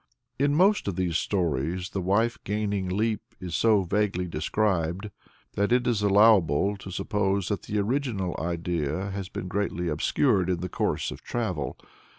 In most of these stories the wife gaining leap is so vaguely described that it is allowable to suppose that the original idea has been greatly obscured in the course of travel.